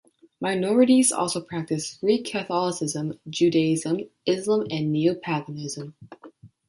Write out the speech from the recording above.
Minorities also practice Greek Catholicism, Judaism, Islam and Neopaganism.